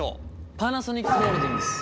パナソニックホールディングス。